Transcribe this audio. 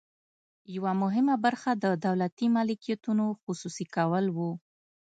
یوه مهمه برخه د دولتي ملکیتونو خصوصي کول وو.